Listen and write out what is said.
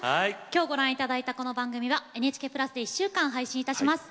今日ご覧頂いたこの番組はＮＨＫプラスで１週間配信いたします。